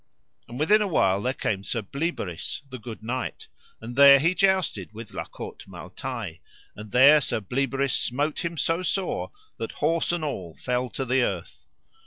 And within a while there came Sir Bleoberis, the good knight, and there he jousted with La Cote Male Taile, and there Sir Bleoberis smote him so sore, that horse and all fell to the earth.